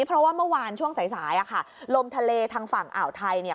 เพราะว่าเมื่อวานช่วงสายลมทะเลทางฝั่งอ่าวไทยเนี่ย